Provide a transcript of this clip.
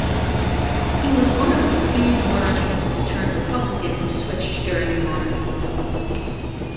He was one of the few monarchists-turned-republican who switched during the monarchy.